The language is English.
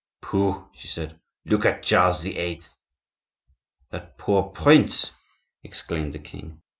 "Pooh!" she said, "look at Charles VIII." "That poor prince!" exclaimed the king.